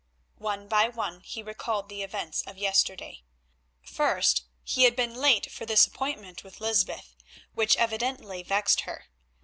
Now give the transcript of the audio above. One by one he recalled the events of yesterday. First he had been late for his appointment with Lysbeth, which evidently vexed her.